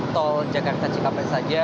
tol jakarta cikampek saja